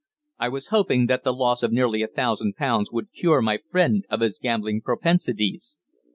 I was hoping that the loss of nearly a thousand pounds would cure my friend of his gambling propensities.